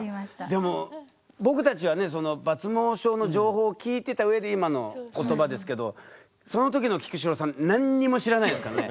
でも僕たちはね抜毛症の情報を聞いてた上で今の言葉ですけどそのときの菊紫郎さん何にも知らないですからね。